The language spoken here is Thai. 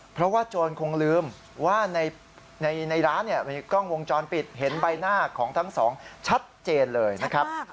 เพราะว่าโจรคงลืมว่าในร้านมีกล้องวงจรปิดเห็นใบหน้าของทั้งสองชัดเจนเลยนะครับ